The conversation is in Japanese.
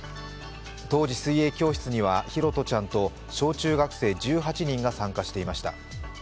当時、水泳教室には拓杜ちゃんと小中学生１８人が参加していました。